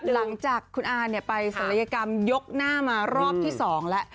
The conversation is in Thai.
หลังจากคุณอาไปศัลยกรรมยกหน้ามารอบที่๒แล้ว